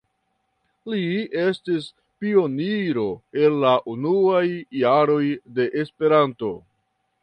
Li estis pioniro el la unuaj jaroj de Esperanto.